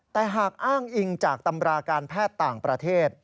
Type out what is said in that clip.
แต่หากอ้างอิงจากตำราการแพทย์ต่างประเทศ